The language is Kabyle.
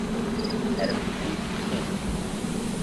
Rremt-d i yisteqsiyen-iw.